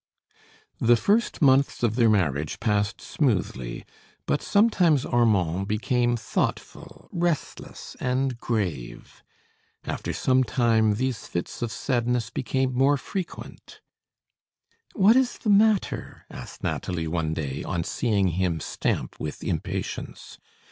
The first months of their marriage passed smoothly, but sometimes Armand became thoughtful, restless, and grave. After some time, these fits of sadness became more frequent. "What is the matter?" asked Nathalie one day, on seeing him stamp with impatience.